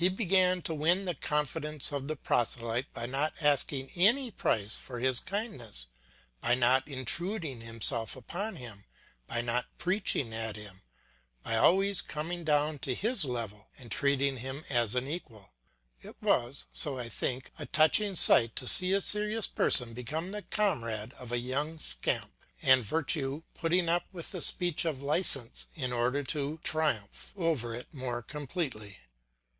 He began to win the confidence of the proselyte by not asking any price for his kindness, by not intruding himself upon him, by not preaching at him, by always coming down to his level, and treating him as an equal. It was, so I think, a touching sight to see a serious person becoming the comrade of a young scamp, and virtue putting up with the speech of licence in order to triumph over it more completely.